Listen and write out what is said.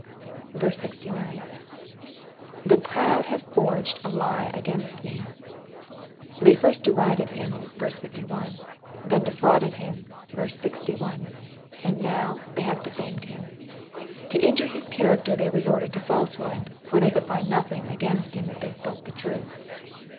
69. ^^ The proud haw forged a lie against me.^^ They first derided him (51), then defrauded him (61), and now they have defamed him. To injure his character they resorted to falsehood, for they could find nothing against him if they spoke the truth.